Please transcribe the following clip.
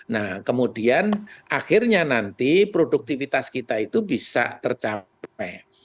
nah kemudian akhirnya nanti produktivitas kita itu bisa tercapai